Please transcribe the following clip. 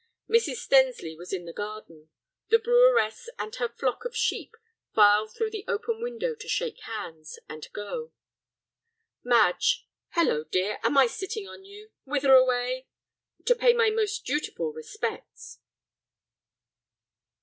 Mrs. Stensly was in the garden. The breweress and her flock of sheep filed through the open window to shake hands—and go. "Madge." "Hallo, dear, am I sitting on you? Whither away?" "To pay my most dutiful respects!"